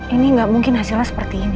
ini nggak mungkin hasilnya seperti ini